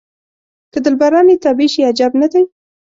که دلبران یې تابع شي عجب نه دی.